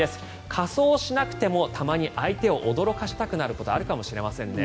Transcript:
仮装しなくてもたまに相手を驚かせたくなることあるかもしれませんね。